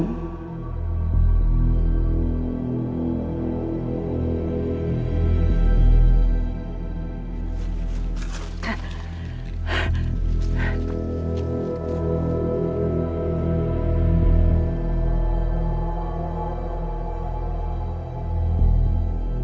แต่มันไม่ใช่เพราะไง